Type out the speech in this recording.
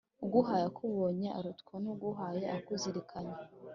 Uguhaye akubonye arutwa n’uguhaye akuzirikanye.